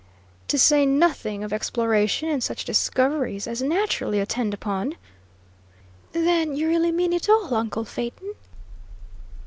"To say nothing of exploration, and such discoveries as naturally attend upon " "Then you really mean it all, uncle Phaeton?"